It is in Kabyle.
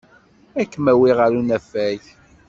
Ad kem-awiɣ ɣer unafag.